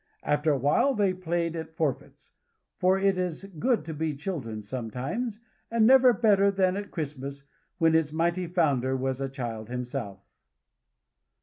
After awhile they played at forfeits; for it is good to be children sometimes, and never better than at Christmas, when its mighty founder was a child himself.